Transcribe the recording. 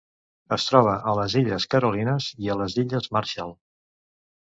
Es troba a les Illes Carolines i a les Illes Marshall.